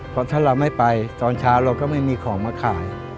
เพราะถ้าเราไม่ไปตอนเช้าเราก็ไม่มีของมาขาย